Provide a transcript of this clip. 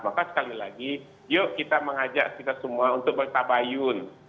maka sekali lagi yuk kita mengajak kita semua untuk bertabayun